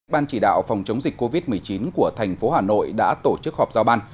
ban chỉ đạo phòng chống dịch covid một mươi chín của thành phố hà nội đã tổ chức họp giao ban